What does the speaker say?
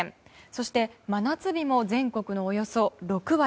そして真夏日も全国のおよそ６割。